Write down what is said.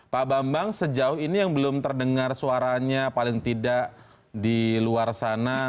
pak bambang sejauh ini yang belum terdengar suaranya paling tidak di luar sana